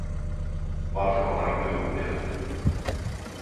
Varför kommer han inte upp igen?